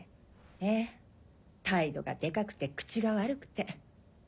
ええ態度がデカくて口が悪くて。